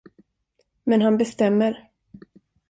Men han bestämmer.